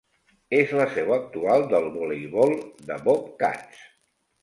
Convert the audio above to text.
És la seu actual del voleibol de Bobcats.